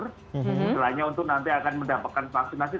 istilahnya untuk nanti akan mendapatkan vaksinasi